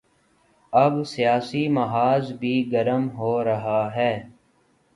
اب سیاسی محاذ بھی گرم ہو رہا ہے۔